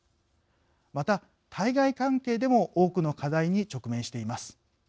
また、対外関係でも多くの課題に直面しています。